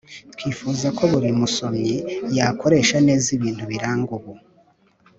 Twifuza ko buri musomyi yakoresha neza ibintu biranga ubu